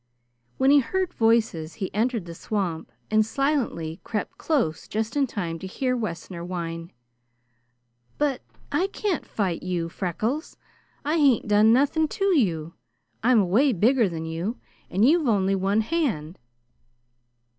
When he heard voices he entered the swamp and silently crept close just in time to hear Wessner whine: "But I can't fight you, Freckles. I hain't done nothing to you. I'm away bigger than you, and you've only one hand."